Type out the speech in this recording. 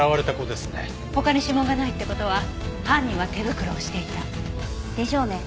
他に指紋がないって事は犯人は手袋をしていた。でしょうね。